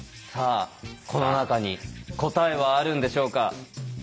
さあこの中に答えはあるんでしょうか？